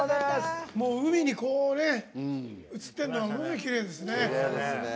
海に映ってるのきれいですね。